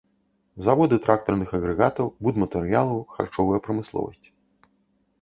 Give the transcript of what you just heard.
Заводы трактарных агрэгатаў, будматэрыялаў, харчовая прамысловасць.